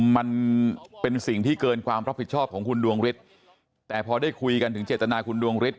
มันเป็นสิ่งที่เกินความรับผิดชอบของคุณดวงฤทธิ์แต่พอได้คุยกันถึงเจตนาคุณดวงฤทธ